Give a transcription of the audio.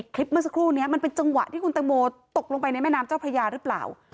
คลิปเมื่อสักครู่นี้มันเป็นจังหวะที่คุณตังโมตกลงไปในแม่น้ำเจ้าพระยาหรือเปล่า